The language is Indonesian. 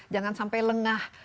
jangan sampai lengah